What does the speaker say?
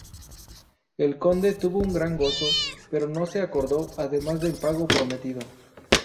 El Conde tuvo un gran gozo, pero no se acordó además del pago prometido.